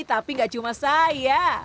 eh tapi tidak cuma saya